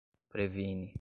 previne